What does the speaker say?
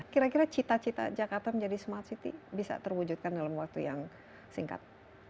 kira kira cita cita jakarta menjadi smart city bisa terwujudkan dalam waktu yang singkat